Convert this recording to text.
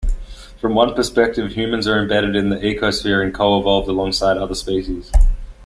From one perspective, humans are embedded in the ecosphere and co-evolved alongside other species.